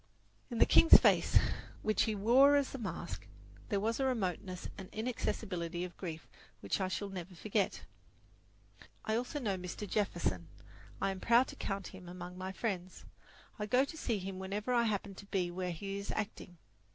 In the king's face, which he wore as a mask, there was a remoteness and inaccessibility of grief which I shall never forget. I also know Mr. Jefferson. I am proud to count him among my friends. I go to see him whenever I happen to be where he is acting.